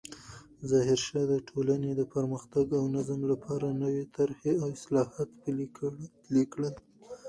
ظاهرشاه د ټولنې د پرمختګ او نظم لپاره نوې طرحې او اصلاحات پلې کړل.